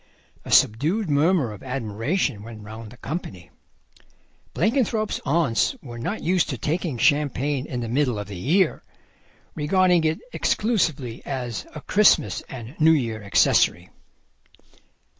A subdued murmur of admiration went round the company. Blenkinthrope's aunts were not used to taking champagne in the middle of the year, regarding it exclusively as a Christmas and New Year accessory.